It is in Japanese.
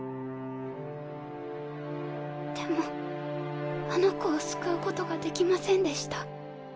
でもあの子を救うことができませんでした。